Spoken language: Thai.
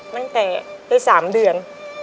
ตั้งแต่ได้๓เดือน